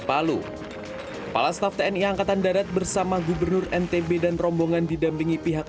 palu kepala staff tni angkatan darat bersama gubernur ntb dan rombongan didampingi pihak